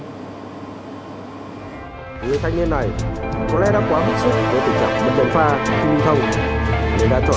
người thanh niên này có lẽ đã quá bị sụn với tình cảm bật đèn pha khi đi thông